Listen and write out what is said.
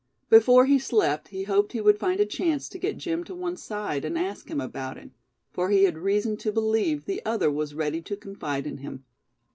Before he slept he hoped he would find a chance to get Jim to one side and ask him about it; for he had reason to believe the other was ready to confide in him.